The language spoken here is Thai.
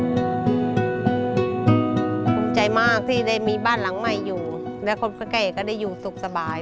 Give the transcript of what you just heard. ภูมิใจมากที่ได้มีบ้านหลังใหม่อยู่และคนใกล้ก็ได้อยู่สุขสบาย